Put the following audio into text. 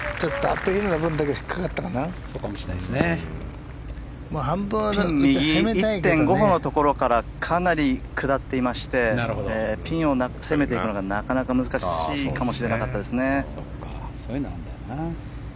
ピン右１．５歩のところからかなり下っていましてピンを攻めていくのがなかなか難しいかもしれなかったですね。